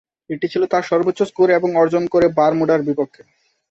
এটি ছিল তার সর্বোচ্চ স্কোর এবং অর্জন করে বারমুডার বিপক্ষে।